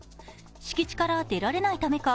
敷地から出られないためか